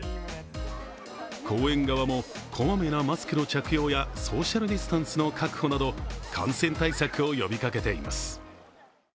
公園側も、こまめなマスクの着用やソーシャルディスタンスの確保など感染対策を呼びかけています。